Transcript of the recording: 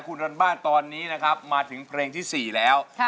คุณรันบ้านตอนนี้นะครับมาถึงเพลงที่๔แล้ว